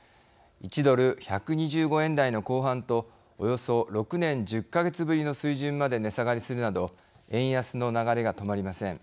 １ドル１２５円台の後半とおよそ６年１０か月ぶりの水準まで値下がりするなど円安の流れが止まりません。